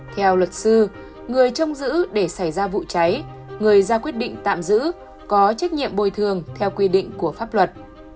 theo luật sư người trông giữ để xảy ra vụ cháy người ra quyết định tạm giữ có trách nhiệm bồi thường theo quy định của pháp luật